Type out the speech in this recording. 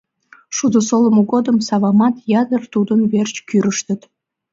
Шудо солымо годым савамат ятыр тудын верч кӱрыштыт.